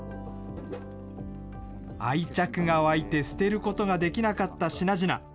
愛着が湧いて捨てることができなかった品々。